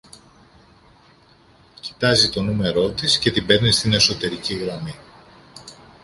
Κοιτάζει το νούμερό της και την παίρνει στην εσωτερική γραμμή